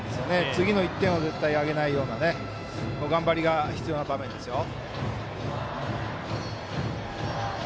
次の１点をあげないような頑張りが必要な場面ですよ。